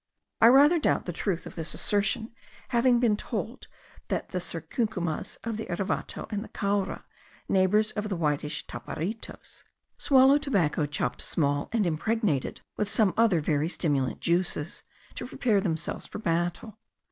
I rather doubt the truth of this assertion, having been told that the Sercucumas of the Erevato and the Caura, neighbours of the whitish Taparitos, swallow tobacco chopped small, and impregnated with some other very stimulant juices, to prepare themselves for battle.